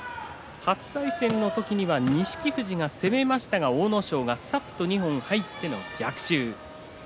初対戦の時は錦富士が攻めましたが阿武咲がさっと二本入っての逆襲。